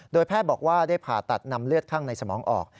แพทย์บอกว่าได้ผ่าตัดนำเลือดข้างในสมองออก